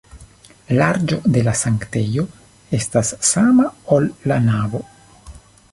Larĝo de la sanktejo estas sama, ol la navo.